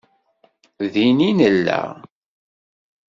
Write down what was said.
Din i nella